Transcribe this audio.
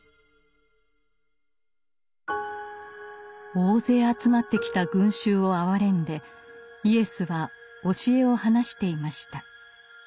大勢集まってきた群衆をあわれんでイエスは教えを話していました。